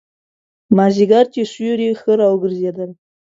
مازیګر چې سیوري ښه را وګرځېدل.